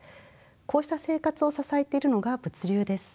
こうした生活を支えているのが物流です。